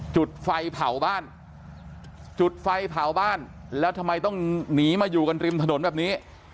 จุดไฟเผาบ้านจุดไฟเผาบ้านแล้วทำไมต้องหนีมาอยู่กันริมถนนแบบนี้